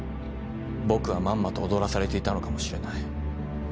僕はまんまと踊らされていたのかもしれない。